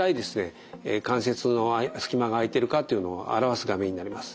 関節の隙間が空いてるかっていうのを表す画面になります。